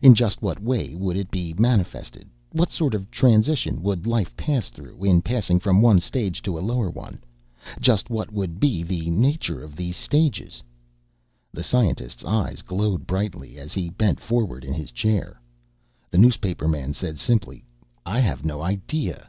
In just what way would it be manifested? What sort of transition would life pass through in passing from one stage to a lower one? Just what would be the nature of these stages?" The scientist's eyes glowed brightly as he bent forward in his chair. The newspaperman said simply: "I have no idea."